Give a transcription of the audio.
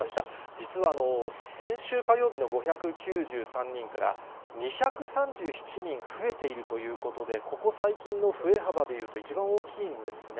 実は、先週火曜日の５９３人から２３７人増えているということで、ここ最近の増え幅で言うと、一番大きいんですね。